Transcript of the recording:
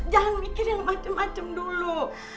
jangan mikirin macam macam dulu